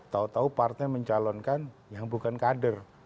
tahu tahu partai mencalonkan yang bukan kader